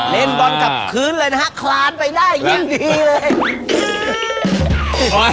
เล่นบอลกับพื้นเลยนะฮะคลานไปได้ยิ่งดีเลย